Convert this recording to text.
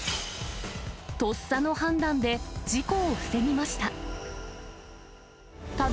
とっさの判断で事故を防ぎました。